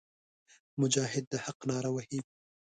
مجاهد د حق ناره وهي.